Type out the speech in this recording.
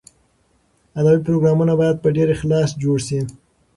ادبي پروګرامونه باید په ډېر اخلاص جوړ شي.